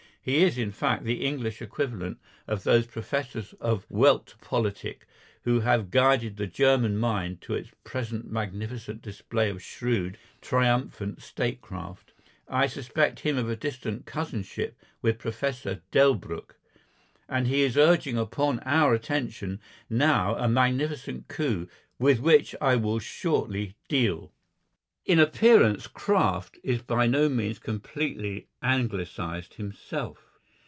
He is, in fact, the English equivalent of those professors of Welt Politik who have guided the German mind to its present magnificent display of shrewd, triumphant statecraft. I suspect him of a distant cousinship with Professor Delbruck. And he is urging upon our attention now a magnificent coup, with which I will shortly deal. In appearance Kraft is by no means completely anglicised himself.